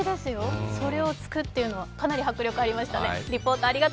それを突くというのはかなり迫力ありましたね。